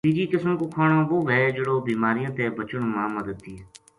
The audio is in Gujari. تیجی قسم کو کھانو وہ وھے جہڑو بیماریاں تے بچن ما مدد دئے۔